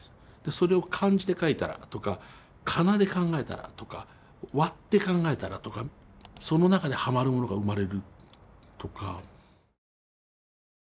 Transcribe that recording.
それを漢字で書いたらとかカナで考えたらとか割って考えたらとかその中でハマるものが生まれるとか。